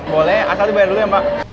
boleh asal dibayar dulu ya mbak